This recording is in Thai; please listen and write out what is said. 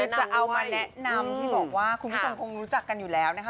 จะเอามาแนะนำที่บอกว่าคุณผู้ชมคงรู้จักกันอยู่แล้วนะคะ